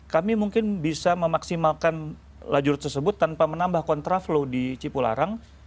kami mungkin bisa memaksimalkan lajur tersebut tanpa menambah kontraflow di cipularang